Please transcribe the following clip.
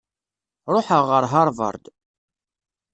Ṛuḥeɣ ɣer Harvard.